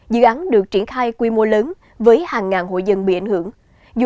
dự án được triển khai quy mô lớn với hàng ngàn hộ dân bị ảnh hưởng